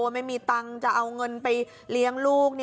ไม่มีตังค์จะเอาเงินไปเลี้ยงลูก